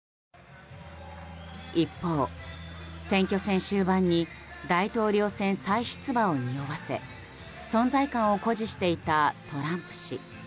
一方、選挙終盤戦に大統領選再出馬をにおわせ存在感を誇示していたトランプ氏。